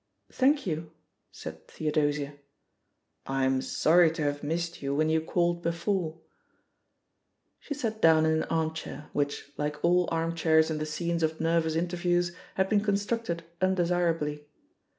"Thank you," said Theodosia. "I'm sorry to have missed you when you called before." THE POSITION OP PEGGY HARPER !806 She sat down in an armchair, which, like all armchairs in the scenes of nervous interviews, had been constructed undesirably.